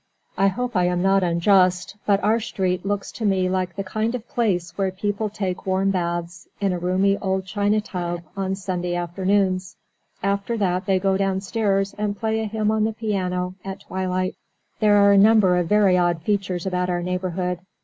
I hope I am not unjust, but our street looks to me like the kind of place where people take warm baths, in a roomy old china tub, on Sunday afternoons. After that, they go downstairs and play a hymn on the piano, at twilight. There are a number of very odd features about our neighbourhood.